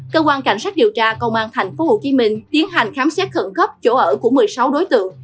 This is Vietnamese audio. cơ quan cảnh sát điều tra công an thành phố hồ chí minh tiến hành khám xét khẩn cấp chỗ ở của một mươi sáu đối tượng